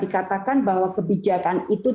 dikatakan bahwa kebijakan itu